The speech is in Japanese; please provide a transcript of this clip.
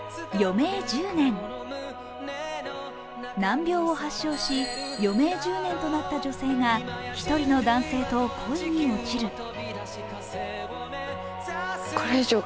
「余命１０年」難病を発症し、余命１０年となった女性が１人の男性と恋に落ちる。